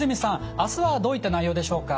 明日はどういった内容でしょうか？